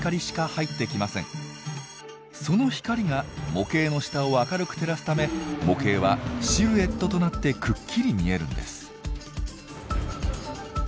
その光が模型の下を明るく照らすため模型はシルエットとなってくっきり見えるんです。